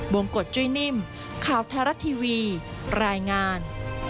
บวงกฎจุ้ยนิ่มคลาวธรรท์ทีวีรายงาน